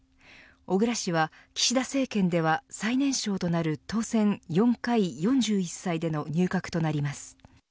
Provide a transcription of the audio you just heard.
小倉氏は岸田政権では最年少となる当選４回、４１歳での入閣となります。